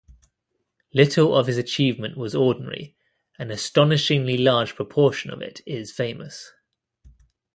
Little of his achievement was ordinary; an astonishingly large proportion of it is famous.